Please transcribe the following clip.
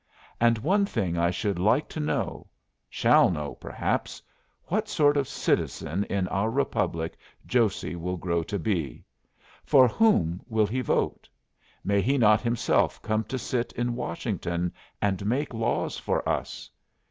And one thing I should like to know shall know, perhaps: what sort of citizen in our republic Josey will grow to be. For whom will he vote? May he not himself come to sit in Washington and make laws for us?